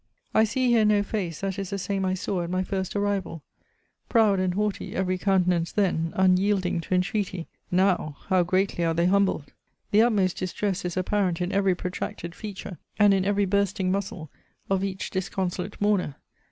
I see here no face that is the same I saw at my first arrival. Proud and haughty every countenance then, unyielding to entreaty; now, how greatly are they humbled! The utmost distress is apparent in every protracted feature, and in every bursting muscle, of each disconsolate mourner.